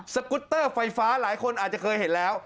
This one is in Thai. สกุตเตอร์ไฟฟ้าหลายคนอาจจะเคยเห็นแล้ว